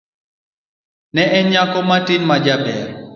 Ne en nyako matin majaber.